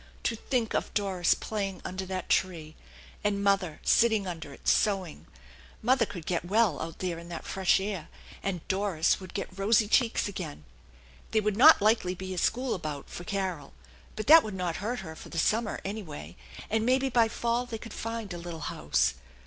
To think of Doris playing under that tree! And mother sitting under it sewing! Mother could get well out there in that fresh air, and Doris would get rosy cheeks again. There would not likely be a school about for Carol ; but that would not hurt her for the summer, anyway, *nd maybe by fall they could find a little house.